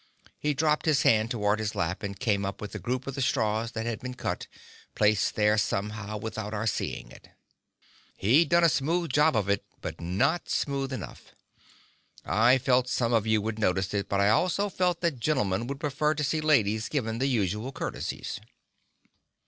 He dropped his hand toward his lap and came up with a group of the straws that had been cut, placed there somehow without our seeing it. He'd done a smooth job of it, but not smooth enough. "I felt some of you would notice it, but I also felt that gentlemen would prefer to see ladies given the usual courtesies."